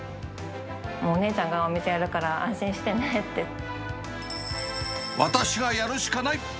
もうお姉ちゃんがお店やるか私がやるしかない！